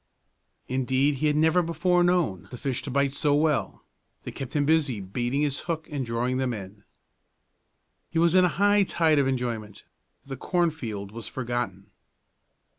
Indeed, he had never before known the fish to bite so well. They kept him busy baiting his hook and drawing them in. He was in the high tide of enjoyment. The cornfield was forgotten.